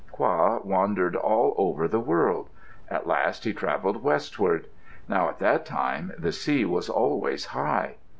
Qa wandered all over the world. At last he travelled westward. Now at that time the sea was always high.